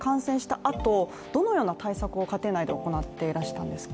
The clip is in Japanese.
あとどのような対策を家庭内で行っていたんですか。